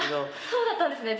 そうだったんですね！